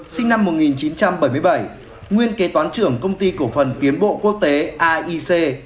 sinh năm một nghìn chín trăm bảy mươi bảy nguyên kế toán trưởng công ty cổ phần tiến bộ quốc tế aic